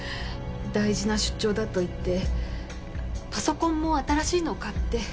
大事な出張だと言ってパソコンも新しいのを買って。